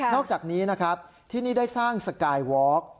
อกจากนี้นะครับที่นี่ได้สร้างสกายวอล์ก